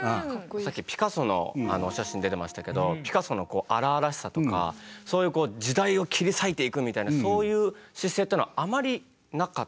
さっきピカソのお写真出てましたけどピカソの荒々しさとかそういうこう時代を切り裂いていくみたいなそういう姿勢というのはあまりなかったんですか？